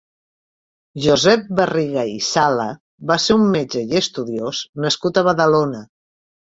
Josep Barriga i Sala va ser un metge i estudiós nascut a Badalona.